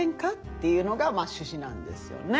っていうのが趣旨なんですよね。